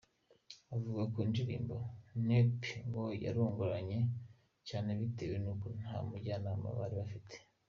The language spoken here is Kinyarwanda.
Avuga ku ndirimbo ‘Neepe’ ngo yarangoranye cyane bitewe n’uko nta mujyanama bari bafite.